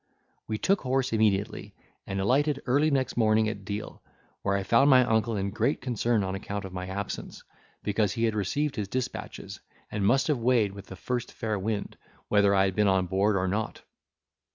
We took horse immediately, and alighted early next morning at Deal, where I found my uncle in great concern on account of my absence, because he had received his despatches, and must have weighed with the first fair wind, whether I had been on board or not.